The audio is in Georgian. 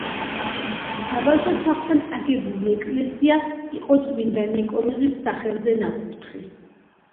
საბავშვო სახლთან აგებული ეკლესია იყო წმინდა ნიკოლოზის სახელზე ნაკურთხი.